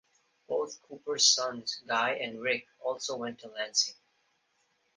Both Cooper's sons, Guy and Ric, also went to Lancing.